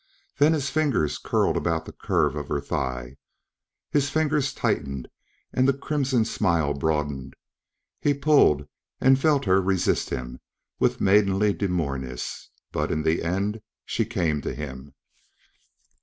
Then his fingers curled about the curve of her thigh. His fingers tightened and the crimson smile broadened; he pulled and felt her resist him with maidenly demureness, but in the end she came to him.